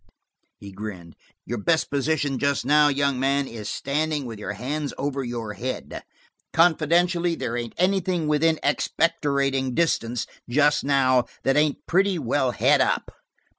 He grinned. "Your best position just now, young man, is standing, with your hands over your head. Confidentially, there ain't anything within expectorating distance just now that ain't pretty well het up."